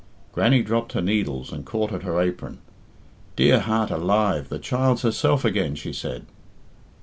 Grannie dropped her needles and caught at her apron. "Dear heart alive, the child's herself again!" she said.